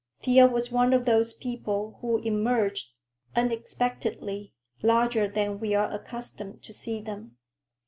Thea was one of those people who emerge, unexpectedly, larger than we are accustomed to see them.